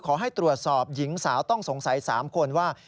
ขอให้ตรวจสอบหญิงสาวต้องสงสัย๓คนว่า